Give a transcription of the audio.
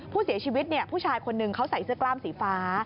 ผู้เสียชีวิตผู้ชายคนหนึ่งเขาใส่เสื้อกล้ามสีฟ้า